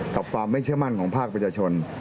ความไม่เชื่อมั่นของภาคประชาชน